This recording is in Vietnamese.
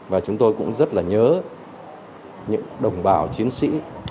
và chúng tôi cũng rất là nhớ những đồng bào chiến sĩ